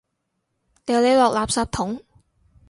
掉你落垃圾桶！